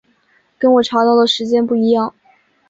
跟我查到的时间不一样